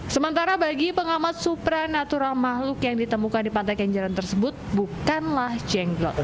sementara bagi pengamat supra natural makhluk yang ditemukan di pantai kenjeran tersebut bukanlah jenglot